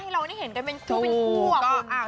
ให้เราเห็นกันเป็นคู่เป็นคู่อ่ะคุณ